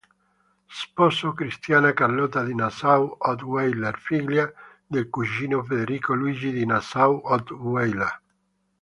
Sposò Cristiana Carlotta di Nassau-Ottweiler, figlia del cugino Federico Luigi di Nassau-Ottweiler.